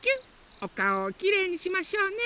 おかおをきれいにしましょうね！